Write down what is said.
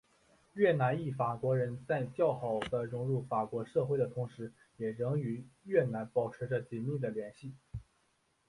越南裔法国人在较好的融入法国社会的同时也仍与越南保持着紧密的联系。